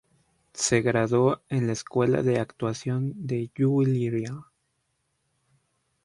Se graduó en la escuela de actuación Juilliard.